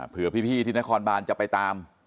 เพื่อพี่ที่นครบานจะไปตาม